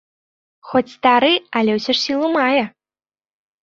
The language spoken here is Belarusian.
Хоць стары, але ўсё ж сілу мае.